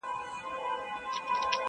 اوس به څوك د پاني پت په توره وياړي!!